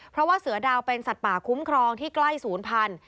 เพราะว่าเสือดาวเป็นสัตว์ป่าคุ้มครองที่ใกล้๐๐๐๐